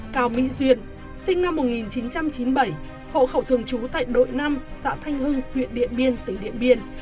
cao mỹ duyên sinh năm một nghìn chín trăm chín mươi bảy hộ khẩu thường trú tại đội năm xã thanh hưng huyện điện biên tỉnh điện biên